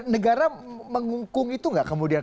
negara mengungkung itu nggak kemudian